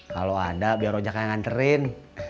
kalau ada biar rujaknya nganterin